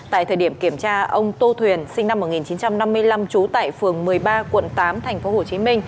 tại thời điểm kiểm tra ông tô thuyền sinh năm một nghìn chín trăm năm mươi năm trú tại phường một mươi ba quận tám tp hcm